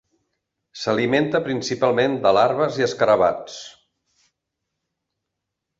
S'alimenta principalment de larves i escarabats.